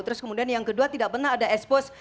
terus kemudian yang kedua tidak pernah ada expose